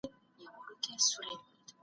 د ژوند کیفیت د پوهې په رڼا کي ښه کیږي.